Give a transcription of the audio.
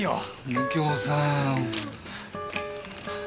右京さん。